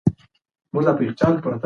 وارث په انګړ کې له غولکې سره منډې وهلې.